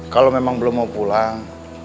kalau memang belum mau pulang